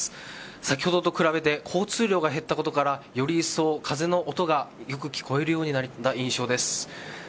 先ほどと比べて交通量が減ったことからより一層、風の音がよく聞こえるようになった印象です。